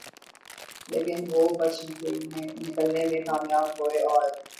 لیکن وہ بچ نکلنے میں کامیاب ہوئے اور